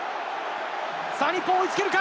日本、追いつけるか？